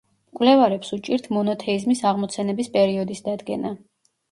მკვლევარებს უჭირთ მონოთეიზმის აღმოცენების პერიოდის დადგენა.